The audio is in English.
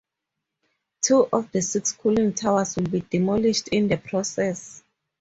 Two of the six cooling towers will be demolished in the process.